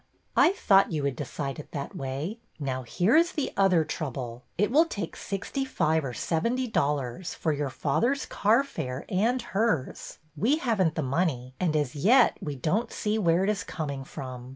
" I thought you would decide it that way. Now, here is the other trouble. It will take sixty five or seventy dollars for your father's carfare and hers. We have n't the money, and as yet we don't see where it is coming from.